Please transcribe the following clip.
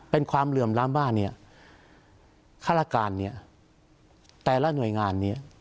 เป็นความเหลื่อมล้ำว่าเนี่ยฆาตการเนี่ยแต่ละหน่วยงานเนี่ย